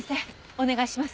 お願いします。